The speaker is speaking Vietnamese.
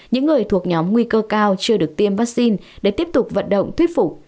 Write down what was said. những người thuộc nhóm nguy cơ cao chưa được tiêm vaccine để tiếp tục vận động thuyết phục